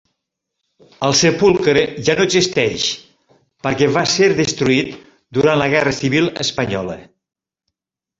El sepulcre ja no existeix, perquè va ser destruït durant la Guerra Civil Espanyola.